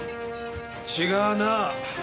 違うな。